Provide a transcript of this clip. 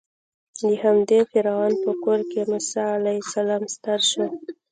د همدې فرعون په کور کې موسی علیه السلام ستر شو.